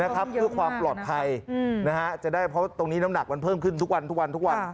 เพื่อความปลอดภัยนะฮะจะได้เพราะว่าตรงนี้น้ำหนักมันเพิ่มขึ้นทุกวัน